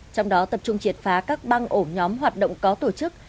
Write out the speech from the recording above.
trong đó tập trung triệt phá các băng ổ nhóm hoạt động có tổ chức